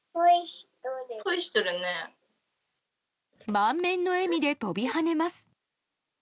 満面の笑みで飛び跳ねます。